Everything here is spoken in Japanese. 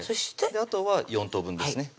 あとは４等分ですね